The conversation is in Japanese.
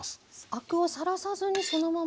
アクをさらさずにそのまま調理して。